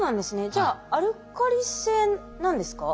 じゃあアルカリ性なんですか？